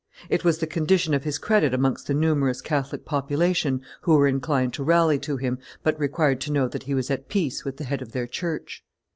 It was the condition of his credit amongst the numerous Catholic population who were inclined to rally to him, but required to know that he was at peace with the head of their church.